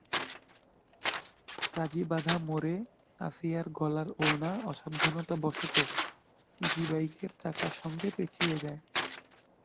কাজীবাধা মোড়ে আছিয়ার গলার ওড়না অসাবধানতাবশত ইজিবাইকের চাকার সঙ্গে পেঁচিয়ে যায়।